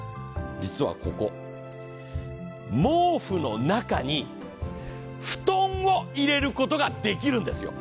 実はここ、毛布の中に布団を入れることができるんですよ。